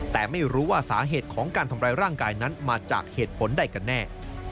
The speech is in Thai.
แต่ไม่รู้ว่าสาเหตุของการทำร้ายร่างกายนั้นมาจากเหตุผลใดกันแน่